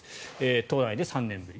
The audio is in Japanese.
都内で３年ぶり。